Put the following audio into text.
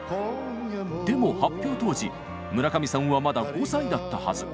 でも発表当時村上さんはまだ５歳だったはず。